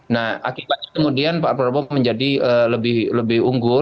nah akibatnya kemudian pak prabowo menjadi lebih unggul